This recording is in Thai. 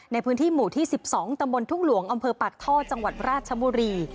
ในพื้นที่หมู่ที่๑๒ตำบลทุ่งหลวงอำเภอปากท่อจังหวัดราชบุรี